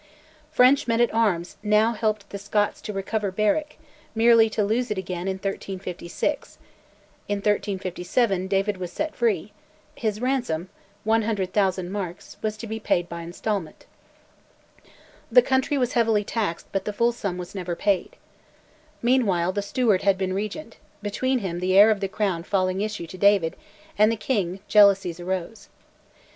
French men at arms now helped the Scots to recover Berwick, merely to lose it again in 1356; in 1357 David was set free: his ransom, 100,000 merks, was to be paid by instalment. The country was heavily taxed, but the full sum was never paid. Meanwhile the Steward had been Regent; between him, the heir of the Crown failing issue to David, and the King, jealousies arose.